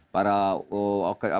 para kekerasan terhadap pemerintah